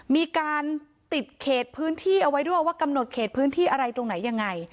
มีการติดเขตพื้นที่เอาไว้ด้วยว่ากำหนดเขตพื้นที่อะไรตรงไหนยังไง